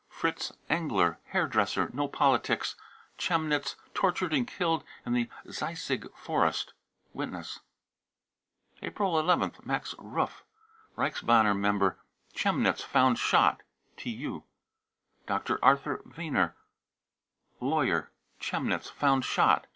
fritz engler, hairdresser, no politics, Chemnitz, tortured and killed in the Zeisig Forest. (Witness.) April nth. max rupf, Reichsbanner member, Chemnitz, found shot. (TU.) dr. Arthur weiner, lawyer, Chemnitz, found shot.